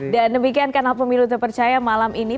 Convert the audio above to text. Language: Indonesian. dan demikian kanal pemilu terpercaya malam ini